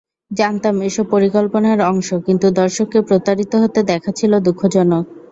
জানতাম এসব পরিকল্পনার অংশ কিন্তু দর্শককে প্রতারিত হতে দেখা ছিল দুঃখজনক।